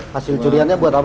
hasil curiannya buat apa